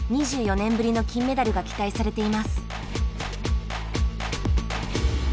２４年ぶりの金メダルが期待されています。